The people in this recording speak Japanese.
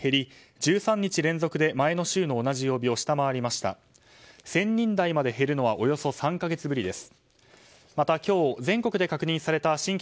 １０００人台まで減るのはおよそ３か月ぶりです。